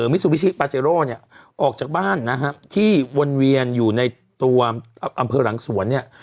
มิซูบิชิปาเจโร่เนี่ยออกจากบ้านนะฮะที่วนเวียนอยู่ในตัวอำเภอหลังสวนเนี่ย